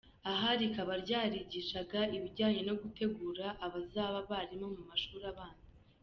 Aha rikaba ryarigishaga ibijyanye no gutegura abazaba abarimu mu mashuri abanza.